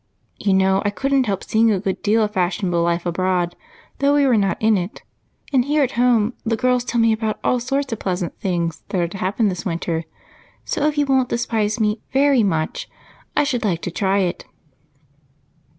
You know I couldn't help seeing a good deal of fashionable life abroad, though we were not in it, and here at home the girls tell me about all sorts of pleasant things that are to happen this winter, so if you won't despise me very much, I should like to try it."